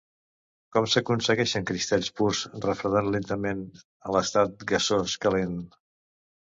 Com s'aconsegueixen cristalls purs refredant lentament l'estat gasós calent?